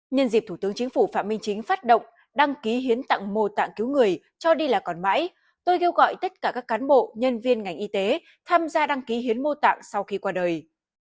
nhân dịp thủ tướng chính phủ phạm minh chính phát động đăng ký hiến tặng mô tạng cứu người cho đi là còn mãi tôi kêu gọi tất cả các cán bộ nhân viên ngành y tế tham gia đăng ký hiến mô tạng sau khi qua đời